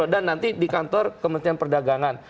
dan nanti di kantor kementerian perdagangan